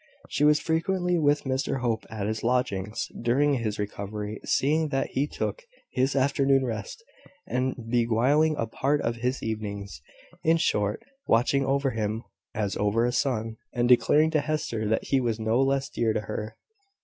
She was frequently with Mr Hope at his lodgings, during his recovery, seeing that he took his afternoon rest, and beguiling a part of his evenings; in short, watching over him as over a son, and declaring to Hester that he was no less dear to her.